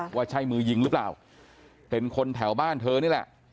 ว่าใช่มือยิงหรือเปล่าเป็นคนแถวบ้านเธอนี่แหละ